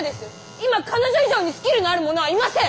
今彼女以上にスキルのある者はいません！